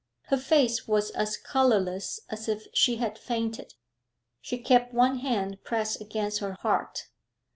Her face was as colourless as if she had fainted; she kept one hand pressed against her heart.